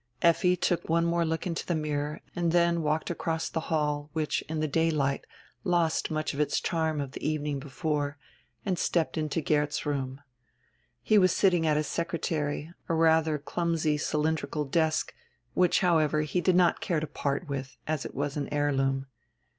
Effi took one more look into die mirror and dien walked across die hall, which in die daylight lost much of its charm of die evening before, and stepped into Geert's room. He was sitting at his secretary, a ratiier clumsy cylin drical desk, which, however, he did not care to part with, as it was an heirloom.